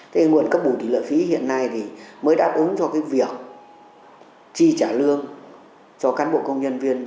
thế nguồn cấp bù thị lợi phí hiện nay thì mới đáp ứng cho cái việc chi trả lương cho cán bộ công nhân viên